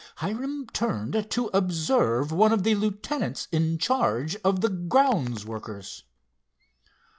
Hiram turned to observe one of the lieutenants in charge of the grounds workers.